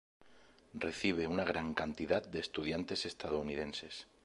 Recibe una gran cantidad de estudiantes estadounidenses.